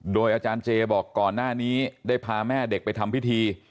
โดยอาจารย์เจบอกก่อนหน้านี้ได้พาแม่เด็กไปทำพิธี